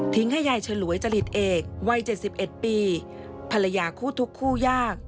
ให้ยายฉลวยจริตเอกวัย๗๑ปีภรรยาคู่ทุกคู่ยาก